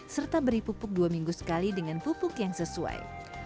serta beri pupuk dua minggu sekali dengan pupuk yang sesuai